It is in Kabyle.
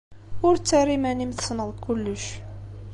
Ur ttarra iman-im tessneḍ kullec!